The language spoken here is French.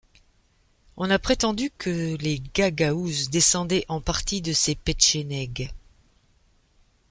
On a prétendu que les Gagaouzes descendaient en partie de ces Petchénègues.